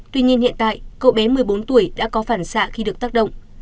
tuy nhiên hiện tại cậu bé một mươi bốn tuổi đã có phản xạ khi được tác động